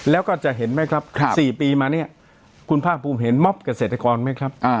แล้วก็จะเห็นไหมครับ๔ปีมาเนี่ยคุณภาคภูมิเห็นมอบเกษตรกรไหมครับ